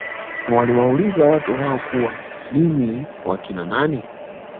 Waliwauliza watu hao kuwa ninyi ni wakina nani